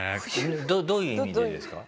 どういう意味でですか？